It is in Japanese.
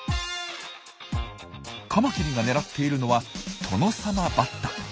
カマキリが狙っているのはトノサマバッタ。